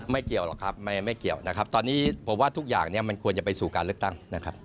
ไม่เกี่ยวหรอกครับไม่เกี่ยวนะครับตอนนี้ผมว่าทุกอย่างเนี่ยมันควรจะไปสู่การเลือกตั้งนะครับ